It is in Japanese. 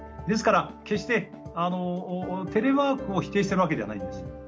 ですから決してテレワークを否定してるわけではないんです。